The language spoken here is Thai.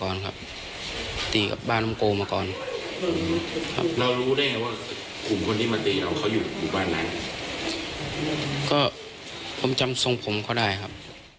มาตีแล้วเขาอยู่บ้านไหนก็ผมจำทรงผมเขาได้ครับ